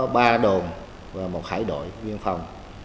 có ba đồn và một hải đội biên phòng